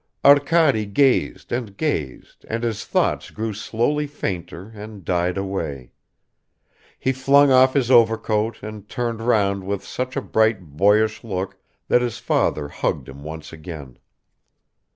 Arkady gazed and gazed and his thoughts grew slowly fainter and died away ... He flung off his overcoat and turned round with such a bright boyish look that his father hugged him once again.